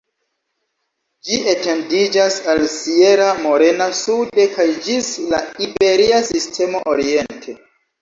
Ĝi etendiĝas al Sierra Morena sude kaj ĝis la Iberia Sistemo oriente.